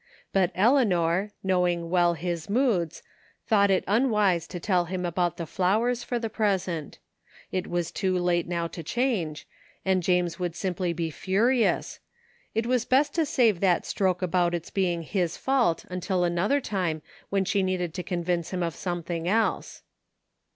But Eleanor, knowing well 220 THE FINDmG OF JASPER HOLT his moods, thought it unwise to tell him about the flowers for the present It was too late now to change, and James would simply be furious; it was best to save that stroke about its being his fault until another time when she needed to convince him of something else.